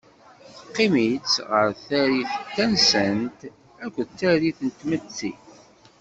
Teqqim-itt ɣer tarit tastant akked tarit n tmetti.